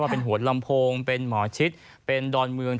เป็นหมอชิตเป็นดอนเมือง